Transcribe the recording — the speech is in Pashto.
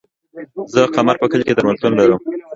زه قمر په کلي کی درملتون لرم